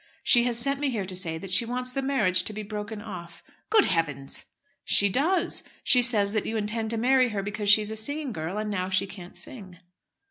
"She has sent me here to say that she wants the marriage to be broken off." "Good Heavens!" "She does. She says that you intend to marry her because she's a singing girl; and now she can't sing."